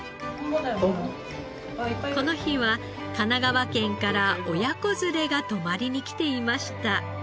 この日は神奈川県から親子連れが泊まりに来ていました。